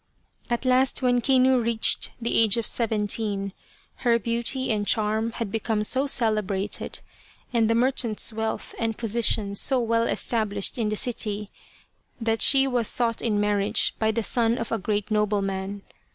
At last, when Kinu reached the age of seventeen, her beauty and charm had become so celebrated, and the merchant's wealth and position so well established in the city, that she was sought in marriage by the son of a great nobleman.